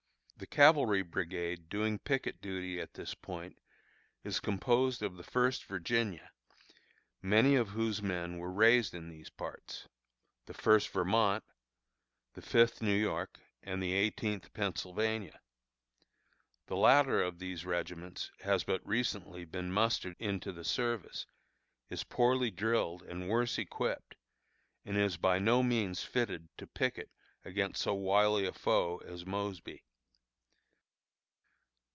The cavalry brigade doing picket duty at this point is composed of the First Virginia (many of whose men were raised in these parts), the First Vermont, the Fifth New York, and the Eighteenth Pennsylvania. The latter of these regiments has but recently been mustered into the service, is poorly drilled and worse equipped, and is by no means fitted to picket against so wily a foe as Mosby.